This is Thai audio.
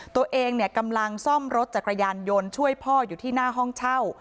ตัวเองกำลังซ่อมรถจักรยานยนต์ช่วยพ่ออยู่ที่หน้าห้องเช่า